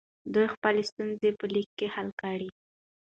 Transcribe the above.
دوی به خپلې ستونزې په لیکلو کې حل کړي.